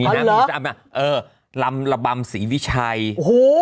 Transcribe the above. แหลมระบำศรีวิชัยโห